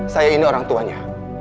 saya ini orang tuanya